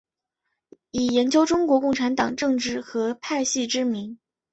以研究中国共产党政治和派系知名。